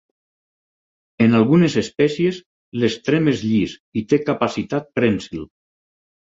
En algunes espècies l'extrem és llis i té capacitat prènsil.